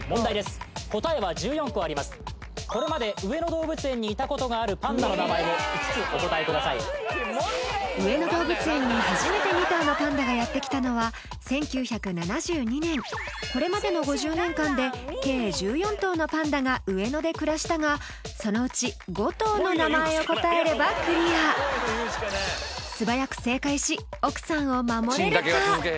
これまで上野動物園にいたことがあるパンダの名前を５つお答えください上野動物園に初めて２頭のパンダがやってきたのは１９７２年これまでの５０年間で計１４頭のパンダが上野で暮らしたがそのうち５頭の名前を答えればクリア素早く正解し奥さんを守れるか？